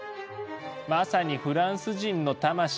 まさにフランス人の魂。